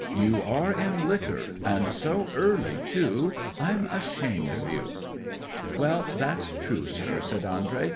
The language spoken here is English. You are in liquor. And so early, too. I'm ashamed of you!" '"Well, that's true, sir," says Andrey.